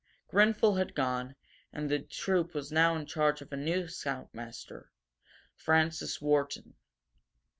Grenfel had gone, and the troop was now in charge of a new scoutmaster, Francis Wharton.